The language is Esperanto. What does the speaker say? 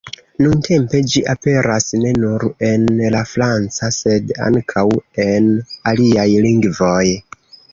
Nuntempe ĝi aperas ne nur en la franca, sed ankaŭ en aliaj lingvoj.